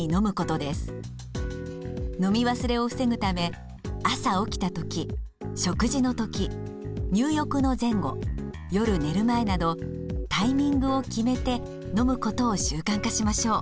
飲み忘れを防ぐため朝起きた時食事の時入浴の前後夜寝る前などタイミングを決めて飲むことを習慣化しましょう。